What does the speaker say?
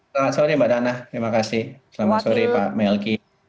selamat sore mbak dana terima kasih selamat sore pak melki